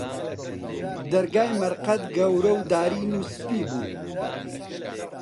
دەرگای مەرقەد، گەورە و دارین و سپی بوو